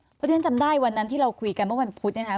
เพราะฉะนั้นจำได้วันนั้นที่เราคุยกันเมื่อวันพุธเนี่ยนะคะ